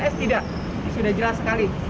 sudah jelas sekali